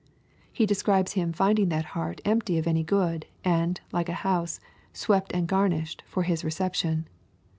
— He de scribes him finding that heart empty of any good, anc like a honse " swept and garnished" for his reception.